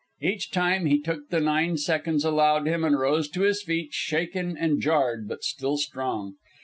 Each time he took the nine seconds allowed him and rose to his feet, shaken and jarred, but still strong.